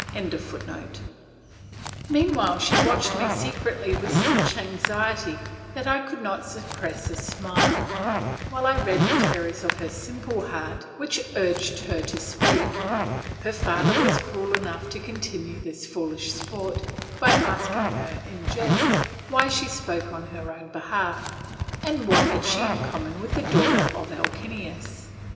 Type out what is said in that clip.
] Meanwhile she watched me secretly with such anxiety that I could not suppress a smile, while I read the terrors of her simple heart which urged her to speak. Her father was cruel enough to continue this foolish sport, by asking her, in jest, why she spoke on her own behalf and what had she in common with the daughter of Alcinous.